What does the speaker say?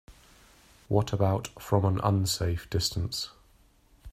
What about from an unsafe distance?